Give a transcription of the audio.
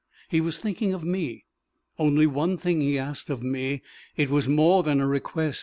He was thinking of me. Only one thing he asked of me. It was more than a request.